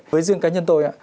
với riêng cá nhân tôi